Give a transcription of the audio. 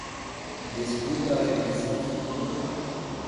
Descubra a direção futura